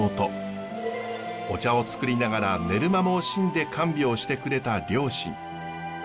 お茶をつくりながら寝る間も惜しんで看病してくれた両親。